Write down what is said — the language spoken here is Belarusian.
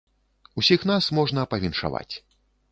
Усіх нас можна павіншаваць.